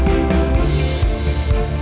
gió dài trên nạp